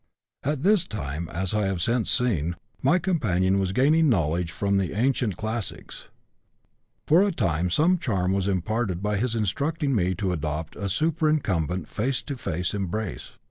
At this time, as I have since seen, my companion was gaining knowledge from the ancient classics. For a time some charm was imparted by his instructing me to adopt a superincumbent face to face embrace.